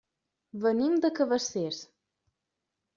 Venim de Cabacés.